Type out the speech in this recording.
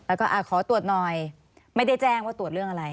แล้วก็ขอตรวจหน่อยไม่ได้แจ้งว่าตรวจเรื่องอะไร